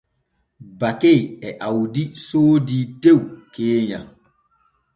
Bake e Awdi soodii tew keenya.